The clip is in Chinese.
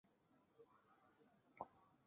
这也是历史上第一个空手道的现代流派。